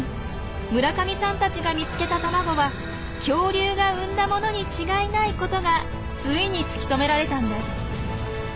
村上さんたちが見つけた卵は恐竜が産んだものに違いないことがついに突き止められたんです。